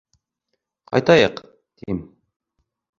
— Ҡайтайыҡ, тим!